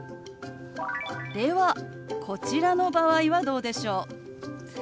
ではこちらの場合はどうでしょう？